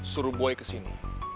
suruh boy kesini